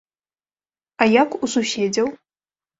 А як у суседзяў?